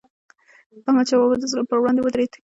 احمدشاه بابا به د ظلم پر وړاندې ودرید.